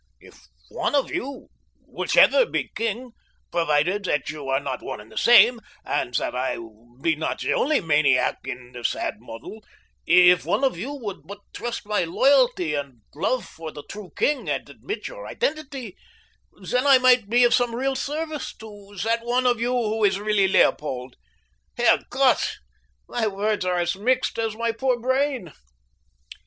If one of you, whichever be king—providing that you are not one and the same, and that I be not the only maniac in the sad muddle—if one of you would but trust my loyalty and love for the true king and admit your identity, then I might be of some real service to that one of you who is really Leopold. Herr Gott! My words are as mixed as my poor brain."